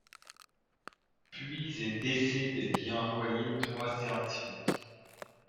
Puis ils décident d'y envoyer trois scientifiques.